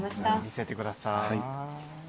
見せてください。